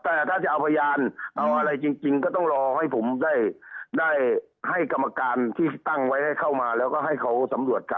แต่ถ้าจะเอาพยานเอาอะไรจริงก็ต้องรอให้ผมได้ให้กรรมการที่ตั้งไว้ให้เข้ามาแล้วก็ให้เขาสำรวจกัน